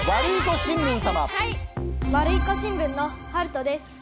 ワルイコ新聞のはるとです。